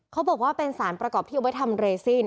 เขาบอกว่าเป็นสารประกอบที่เอาไว้ทำเรซิน